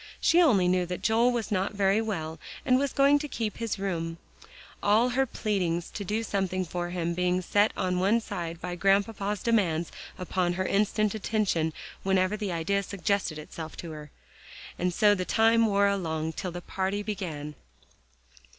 She only knew that Joel was not very well, and was going to keep his room; all her pleadings to do something for him being set one side by Grandpapa's demands upon her instant attention whenever the idea suggested itself to her. And so the time wore along till the party began.